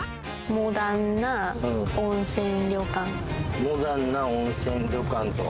モダンな温泉旅館と。